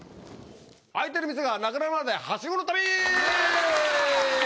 開いてる店がなくなるまでハシゴの旅！